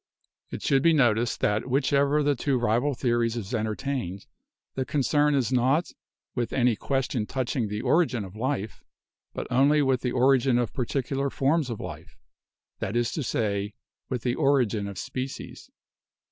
It should be noticed that whichever of the two rival theories is entertained, the concern is not with any ques tion touching the origin of life, but only with the origin of particular forms of life — that is to say, with the origin of species.